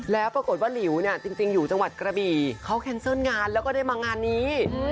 แล้วปรากฏว่าหลิวเนี่ยจริงอยู่จังหวัดกระบี่เขาแคนเซิลงานแล้วก็ได้มางานนี้